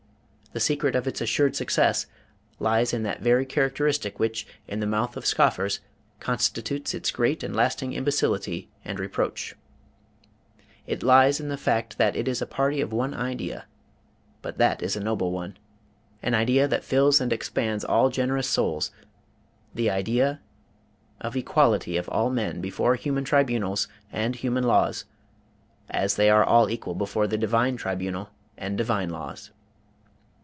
The secret of its assured success lies in that very characteristic which, in the mouth of scoffers, constitutes its great and lasting imbecility and reproach. It lies in the fact that it is a party of one idea; but that is a noble one an idea that fills and expands all generous souls; the idea of equality of all men before human tribunals and human laws, as they all are equal before the Divine tribunal and Divine laws.